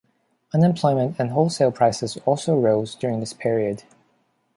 Unemployment and wholesale prices also rose during this period.